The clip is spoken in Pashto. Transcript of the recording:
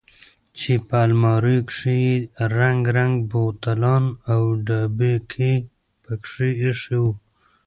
چې په الماريو کښې يې رنګ رنګ بوتلان او ډبکې پکښې ايښي وو.